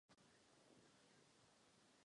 Jeho vítězství bylo v Maďarsku výjimkou.